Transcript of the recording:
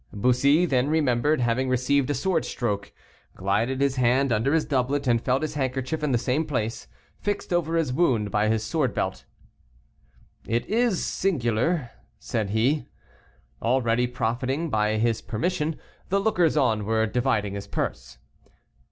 Bussy then remembered having received a sword stroke, glided his hand under his doublet, and felt his handkerchief in the same place, fixed over his wound by his sword belt. "It is singular," said he. Already profiting by his permission, the lookers on were dividing his purse.